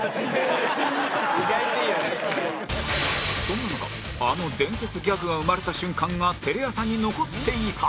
そんな中あの伝説ギャグが生まれた瞬間がテレ朝に残っていた